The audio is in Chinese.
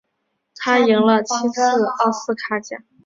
他赢得了七次奥斯卡奖。